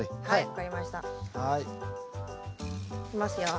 はい。